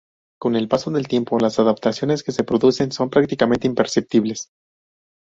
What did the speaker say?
Con el paso del tiempo, las adaptaciones que se producen son prácticamente imperceptibles.